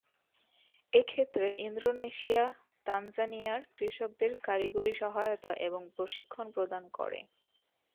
এ ক্ষেত্রে ইন্দোনেশিয়া, তানজানিয়ার কৃষকদের কারিগরি সহায়তা এবং প্রশিক্ষণ প্রদান করে।